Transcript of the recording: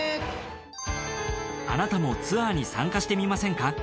あなたもツアーに参加してみませんか？